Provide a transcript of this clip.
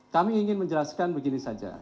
kami ingin menjelaskan begini saja